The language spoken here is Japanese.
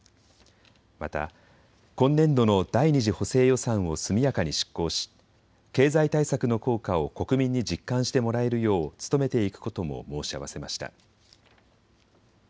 また今年度の第２次補正予算を速やかに執行し経済対策の効果を国民に実感してもらえるよう努めていくことも申し合わせました。